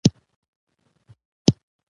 هغه کتاب د پوهې او رڼا سرچینه وه.